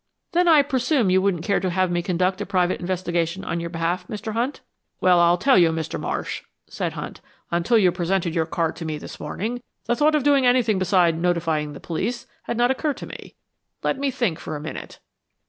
"Then I presume you wouldn't care to have me conduct a private investigation on your behalf, Mr. Hunt?" "Well, I'll tell you, Mr. Marsh," said Hunt. "Until you presented your card to me this morning, the thought of doing anything beside notifying the police had not occurred to me. Let me think for a minute."